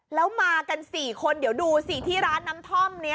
แล้วมากัน๔คนเดี๋ยวดูสิที่ร้านน้ำท่อมนี้